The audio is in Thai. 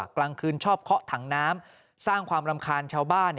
กลางคืนชอบเคาะถังน้ำสร้างความรำคาญชาวบ้าน